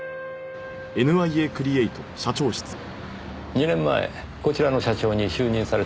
２年前こちらの社長に就任されたそうで。